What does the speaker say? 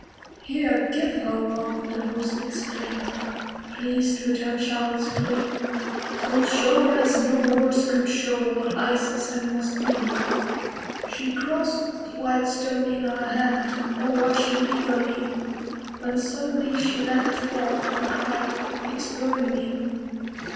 "Here, give her one," the host exclaimed, Pleased with her childish glee. "'Twill show her as no words could show What ice is, and must be." She grasped the "white stone" in her hand, All watching eagerly, When suddenly she let it fall, And cried, "It's burning me."